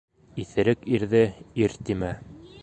Иҫерек ирҙе ир тимә.